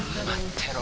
てろ